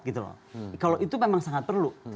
kalau itu memang sangat perlu